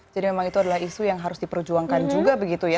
jadi memang itu adalah isu yang harus diperjuangkan juga begitu ya